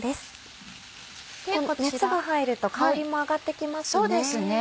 熱が入ると香りも上がってきますね。